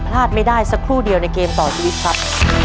พลาดไม่ได้สักครู่เดียวในเกมต่อชีวิตครับ